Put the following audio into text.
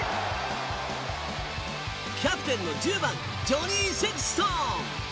キャプテンの１０番ジョニー・セクストン。